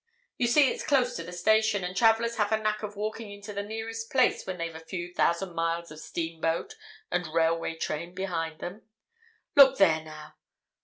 You see, it's close to the station, and travellers have a knack of walking into the nearest place when they've a few thousand miles of steamboat and railway train behind them. Look there, now!"